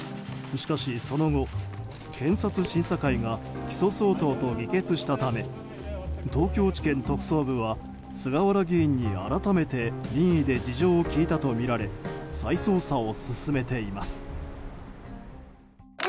しかし、その後検察審査会が起訴相当と議決したため東京地検特捜部は菅原議員に改めて任意で事情を聴いたとみられ再捜査を進めています。